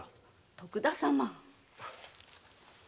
徳田様